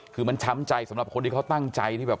คือมันช้ำใจสำหรับคนที่เขาตั้งใจที่แบบ